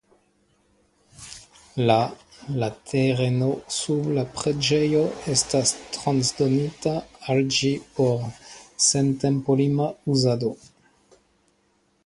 La la tereno sub la preĝejo estas transdonita al ĝi por sentempolima uzado.